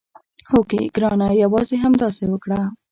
هوکې ګرانه یوازې همداسې وکړه.